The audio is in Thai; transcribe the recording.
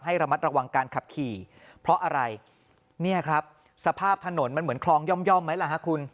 ระมัดระวังการขับขี่เพราะอะไรเนี่ยครับสภาพถนนมันเหมือนคลองย่อมไหมล่ะฮะคุณ